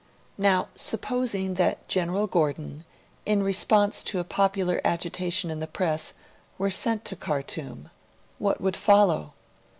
Now, supposing that General Gordon, in response to a popular agitation in the Press, were sent to Khartoum, what would follow?